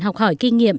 học hỏi kinh nghiệm